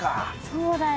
そうだよ。